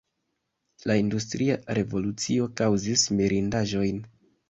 La industria revolucio kaŭzis mirindaĵojn.